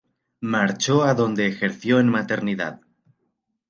Marchó a donde ejerció en maternidad.